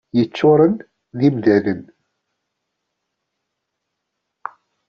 Yeččuren d imdanen.